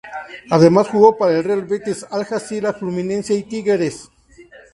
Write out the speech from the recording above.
Además jugó para el Real Betis, Al-Jazira, Fluminense y Tigres.